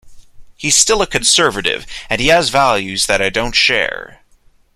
He's still a Conservative and he has values that I don't share.